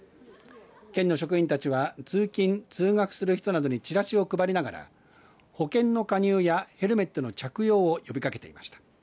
県の職員たちは通勤、通学する人たちなどにチラシを配りながら保険の加入やヘルメットの着用を呼びかけていました。